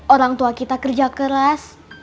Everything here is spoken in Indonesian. orang tua kita kerja keras